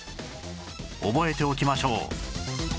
覚えておきましょう